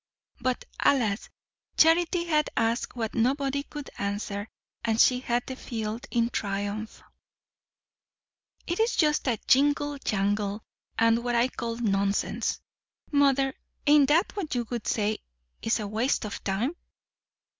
But alas! Charity had asked what nobody could answer, and she had the field in triumph. "It is just a jingle jangle, and what I call nonsense. Mother, ain't that what you would say is a waste of time?"